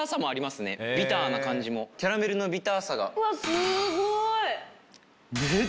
ビターな感じもキャラメルのビターさが。